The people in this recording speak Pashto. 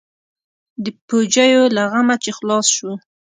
د پوجيو له غمه چې خلاص سو.